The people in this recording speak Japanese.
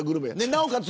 なおかつ